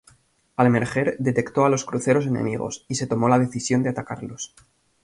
Al emerger, detectó a los cruceros enemigos, y se tomó la decisión de atacarlos.